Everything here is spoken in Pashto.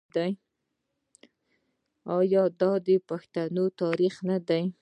آیا دا د پښتنو تاریخ نه دی؟